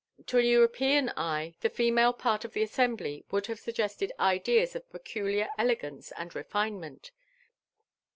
To an European eye the female part of the assembly would hav« suggested ideas of peculiar elegance and refinement.